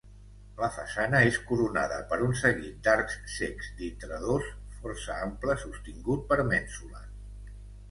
La façana és coronada per un seguit d'arcs cecs d'intradós força ample sostingut per mènsules.